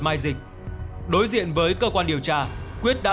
mai dịch đối diện với cơ quan điều tra quyết đã